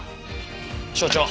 所長。